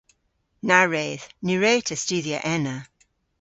Na wredh. Ny wre'ta studhya ena.